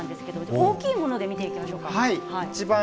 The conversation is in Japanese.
大きなもので見ていきましょうか。